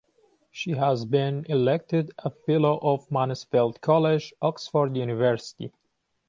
She has been elected a fellow of Mansfield College, Oxford University.